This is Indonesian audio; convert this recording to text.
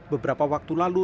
beberapa waktu lalu